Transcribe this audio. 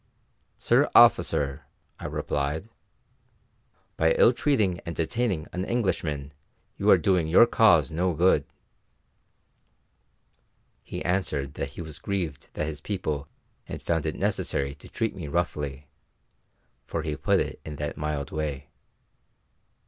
"Sir officer," I replied, "by ill treating and detaining an Englishman you are doing your cause no good." He answered that he was grieved that his people had found it necessary to treat me roughly, for he put it in that mild way.